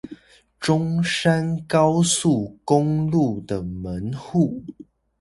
中山高速公路的門戶